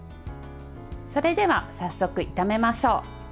それでは早速、炒めましょう。